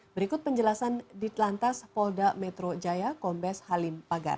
berikut penjelasan ditelantas polda metro jaya kombes halim pagara